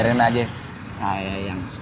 terima kasih nek